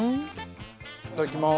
いただきます。